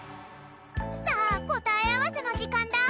さあこたえあわせのじかんだ。